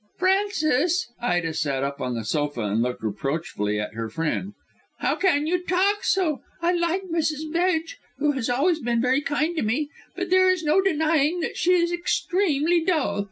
"Frances," Ida sat up on the sofa and looked reproachfully at her friend, "how can you talk so? I like Mrs. Bedge, who has always been very kind to me, but there is no denying that she is extremely dull.